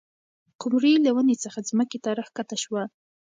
قمري له ونې څخه ځمکې ته راښکته شوه.